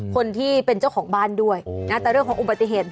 คนที่เป็นเจ้าของบ้านด้วยนะแต่เรื่องของอุบัติเหตุ